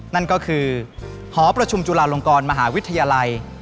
นั่นก็คือหอประชุมจุฬาลงกรมหาวิทยาลัย